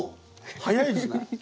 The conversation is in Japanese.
早いですね！